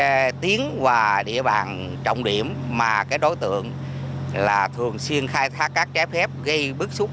các tiến và địa bàn trọng điểm mà cái đối tượng là thường xuyên khai thác các trái phép gây bức xúc